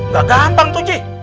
gak gampang tuh ji